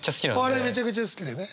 めちゃくちゃ好きでね。